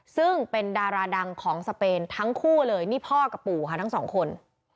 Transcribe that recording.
ซึ่งเป็นดาราดังของสเปนทั้งคู่เลยนี่พ่อกับปู่ค่ะทั้งสองคน